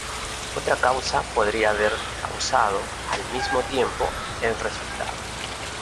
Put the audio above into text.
Otra causa podría haber causado al mismo tiempo el resultado.